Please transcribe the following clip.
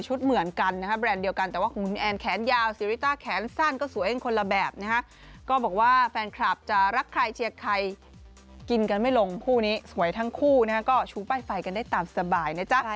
เหมือนกันนะฮะแบรนด์เดียวกันแต่ว่าของคุณแอนแขนยาวซีริต้าแขนสั้นก็สวยเองคนละแบบนะฮะก็บอกว่าแฟนคลับจะรักใครเชียร์ใครกินกันไม่ลงคู่นี้สวยทั้งคู่นะฮะก็ชูป้ายไฟกันได้ตามสบายนะจ๊ะ